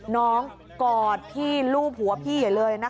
น้องกอดที่ลูบหัวพี่เลยนะคะ